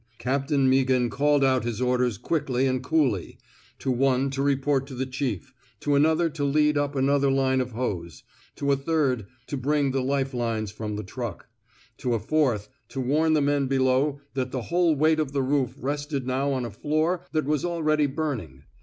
Captain Mea ghan called out his orders quickly and coolly — to one to report to the chief, to another to lead up another line of hose, to a third to bring the life lines from the track, to a fourth to warn the men below that the whole weight of the roof rested now on a floor that was already burning.